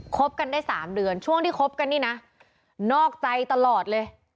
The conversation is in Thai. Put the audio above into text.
บกันได้๓เดือนช่วงที่คบกันนี่นะนอกใจตลอดเลย